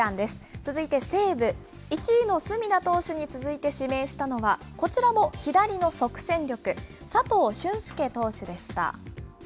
続いて西武、１位の隅田投手に続いて指名したのは、こちらも左の即戦力、佐藤隼輔投手でした。